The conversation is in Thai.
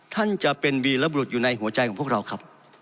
ท่านจะเป็นวีรบรุษอยู่ในหัวใจของพวกเราครับ